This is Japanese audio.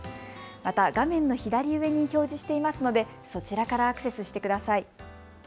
また画面の左上に表示していますのでそちらからアクセスしてください。